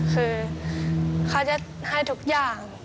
คือเขาจะให้ทุกอย่าง